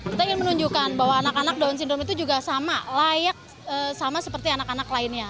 kita ingin menunjukkan bahwa anak anak down syndrome itu juga sama layak sama seperti anak anak lainnya